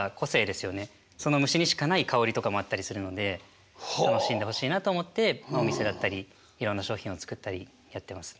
その虫にしかない香りとかもあったりするので楽しんでほしいなと思ってお店だったりいろんな商品を作ったりやってますね。